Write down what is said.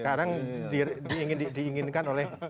sekarang diinginkan oleh